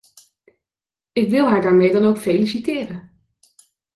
Ik wil haar daarmee dan ook feliciteren.